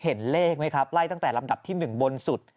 เห็นเลขไหมครับไล่ตั้งแต่ลำดับที่๑บนสุด